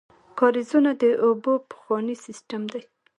کاریزونه د اوبو پخوانی سیسټم دی.